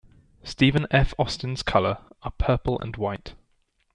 Stephen F. Austin's color are Purple and White.